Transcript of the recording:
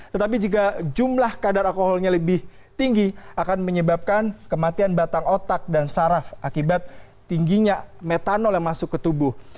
tetapi jika jumlah kadar alkoholnya lebih tinggi akan menyebabkan kematian batang otak dan saraf akibat tingginya metanol yang masuk ke tubuh